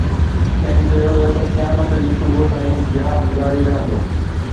کين چيو ويو ته قيامت جي صبح تائين جهاد جاري رهندو.